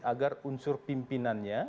agar unsur pimpinannya